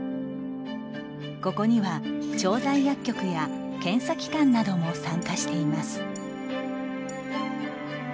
ここには調剤薬局や検査機関なども参加しています。